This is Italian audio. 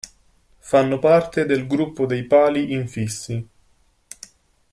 Fanno parte del gruppo dei pali infissi.